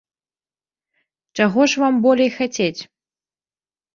Чаго ж вам болей хацець?